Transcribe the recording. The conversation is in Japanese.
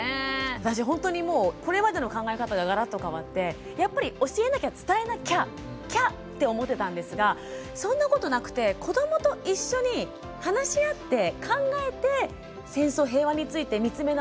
私ほんとにもうこれまでの考え方ががらっと変わってやっぱり教えなきゃ伝えなきゃ「きゃ」って思ってたんですがそんなことなくて子どもと一緒に話し合って考えて戦争平和について見つめ直していく。